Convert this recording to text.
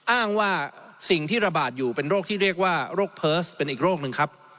อ้างว่าสิ่งที่ระบาดอยู่เป็นโรคที่เรียกว่าโรคเพิร์สเป็นอีกโรคนึงครับ